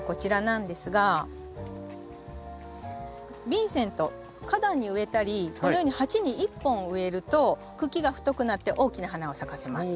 ビンセント花壇に植えたりこのように鉢に１本植えると茎が太くなって大きな花を咲かせます。